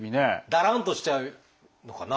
だらんとしちゃうのかな？